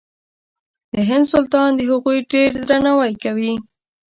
د هند سلطان د هغوی ډېر درناوی کوي.